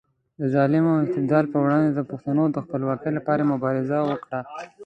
د ظلم او استبداد پر وړاندې د پښتنو د خپلواکۍ لپاره مبارزه وکړه.